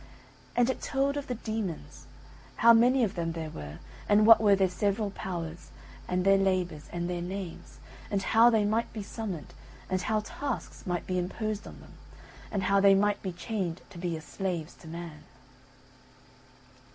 And it told of the demons, how many of them there were, and what were their several powers, and their labours, and their names, and how they might be summoned, and how tasks might be imposed on them, and how they might be chained to be as slaves to man.